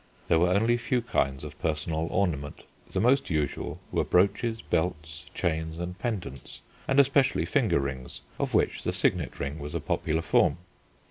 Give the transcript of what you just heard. There were only few kinds of personal ornament. The most usual were brooches, belts, chains, and pendants, and especially finger rings, of which the signet ring was a popular form.